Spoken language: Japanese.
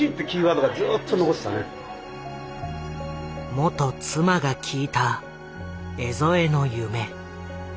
元妻が聞いた江副の夢。